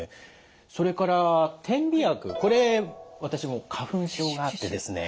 それから点鼻薬これ私も花粉症があってですね